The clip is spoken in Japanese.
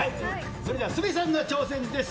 それでは鷲見さんの挑戦です。